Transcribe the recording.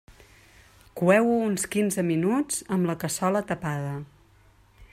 Coeu-ho uns quinze minuts amb la cassola tapada.